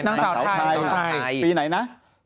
นางสาวไทยล่ะปีไหนนะ